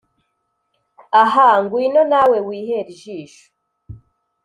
Aha ngwino nawe wihere ijisho